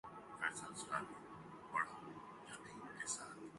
حکمرانی اورگڈ گورننس۔